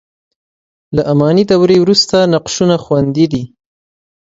له اماني دورې وروسته نقشونه خوندي دي.